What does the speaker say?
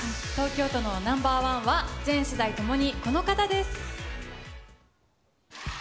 東京都のナンバー１は、全世代ともにこの方です。